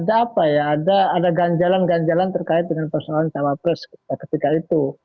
ada ganjalan ganjalan terkait dengan persoalan cawa plus ketika itu